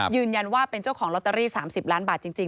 ว่าเป็นเจ้าของลอตเตอรี่๓๐ล้านบาทจริง